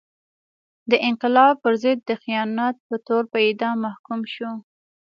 د انقلاب پر ضد د خیانت په تور په اعدام محکوم شو.